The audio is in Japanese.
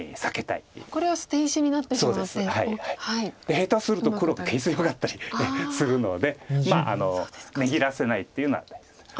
下手すると黒形勢よかったりするので値切らせないっていうのは大切です。